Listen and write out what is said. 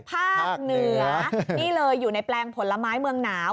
ภาคเหนือนี่เลยอยู่ในแปลงผลไม้เมืองหนาว